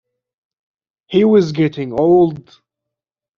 He was getting old.